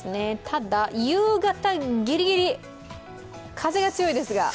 ただ夕方ギリギリ風が強いですが。